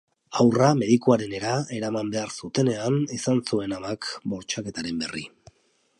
Haurra medikuarenera eraman behar zutenean izan zuen amak bortxaketaren berri.